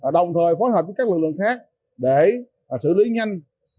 đồng thời phối hợp với các lực lượng khác để xử lý nhanh